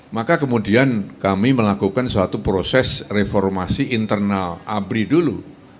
maka kemudian kami melakukan suatu proses reformasi internal abri dulu